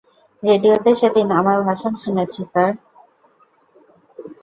রেডিওতে সেদিন আমার ভাষণ শুনেছি, স্যার।